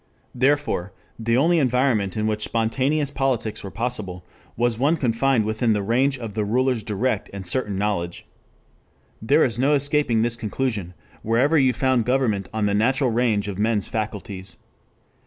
Therefore, the only environment in which spontaneous politics were possible was one confined within the range of the ruler's direct and certain knowledge. There is no escaping this conclusion, wherever you found government on the natural range of men's faculties.